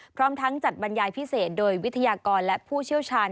พร้อมทั้งจัดบรรยายพิเศษโดยวิทยากรและผู้เชี่ยวชาญ